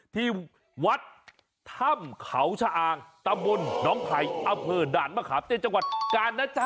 ที่วัดธรรมเขาชะอางตำบลน้องไผ่อเผอดาลมะขาบในจังหวัดกาญนะจ๊ะ